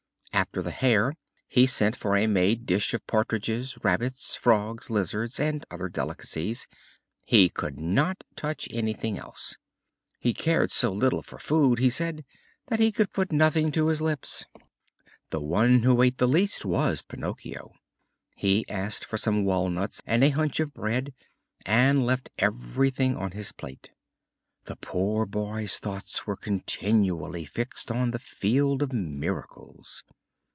After the hare he sent for a made dish of partridges, rabbits, frogs, lizards and other delicacies; he could not touch anything else. He cared so little for food, he said, that he could put nothing to his lips. The one who ate the least was Pinocchio. He asked for some walnuts and a hunch of bread, and left everything on his plate. The poor boy's thoughts were continually fixed on the Field of Miracles.